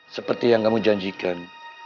seperti yang kamu janjikan